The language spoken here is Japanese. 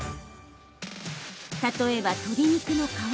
例えば、鶏肉の皮。